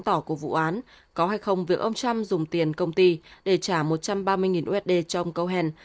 tỏ của vụ án có hay không việc ông trump dùng tiền công ty để trả một trăm ba mươi usd cho ông câu hèn